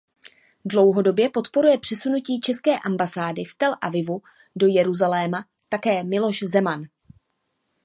Dlouhodobě podporuje přesunutí české ambasády z Tel Avivu do Jeruzaléma také Miloš Zeman.